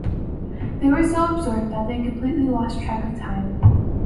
They were so absorbed that they completely lost track of time.